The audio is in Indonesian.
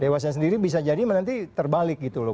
dewasnya sendiri bisa jadi nanti terbalik gitu loh